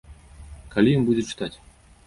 Калі ён будзе чытаць?